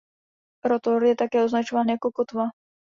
Rotor je také označován jako kotva.